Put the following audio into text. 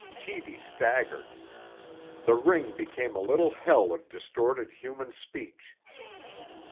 Sheedy staggered. The ring became a little hell of distorted human speech.